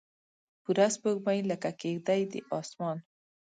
پوره سپوږمۍ لکه کیږدۍ د اسمان